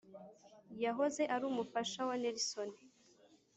yahoze ari umufasha wa Nelson